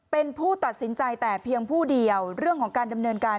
เป็นผู้ตัดสินใจแต่เพียงผู้เดียวเรื่องของการดำเนินการ